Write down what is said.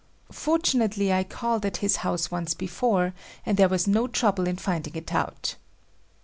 Fortunately, I called at his house once before, and there was no trouble in finding it out.